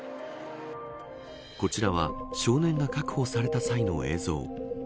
こちらは少年が確保された際の映像。